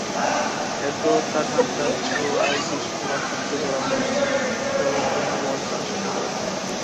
এরপর তার ঠান্ডা ছোঁয়ায় গ্রীষ্মের অসহ্য গরমে সবার দেহ-মন-প্রাণ শীতল করে দেয়।